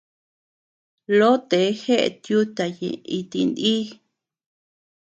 Lotee jeʼet yuta ñeʼe iti nïʼ.